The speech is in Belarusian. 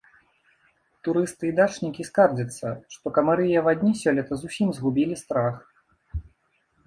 Турысты і дачнікі скардзяцца, што камары і авадні сёлета зусім згубілі страх.